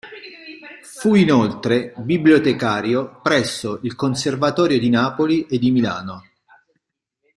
Fu inoltre bibliotecario presso il Conservatorio di Napoli e di Milano.